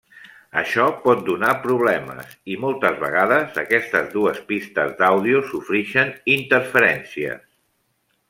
Això pot donar problemes i moltes vegades aquestes dues pistes d'àudio sofrixen interferències.